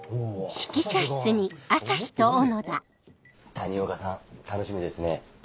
谷岡さん楽しみですね。